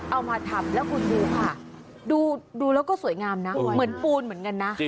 เอามาทำแล้วคุณดูค่ะดูแล้วก็สวยงามนะเหมือนปูนเหมือนกันนะ